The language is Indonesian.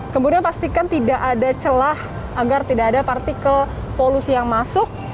kemudian pastikan tidak ada celah agar tidak ada partikel polusi yang masuk